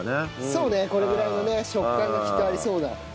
そうねこれぐらいのね食感がきっとありそうな。